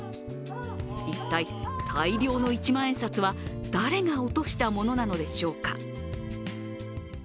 一体大量の一万円札は誰が落としたものなのでしょうか。